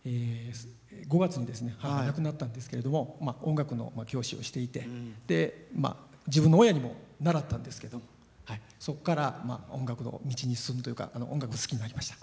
５月に母は亡くなったんですけども音楽の教師をしていて自分の親にも習ったんですけどそっから音楽の道に進むというか音楽が好きになりました。